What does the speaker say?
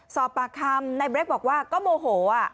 สอบปากคำในเบรกบอกว่าก็โมโห